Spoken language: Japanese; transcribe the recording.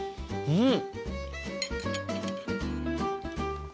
うん。